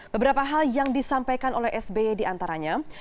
beberapa hal yang disampaikan oleh sby diantaranya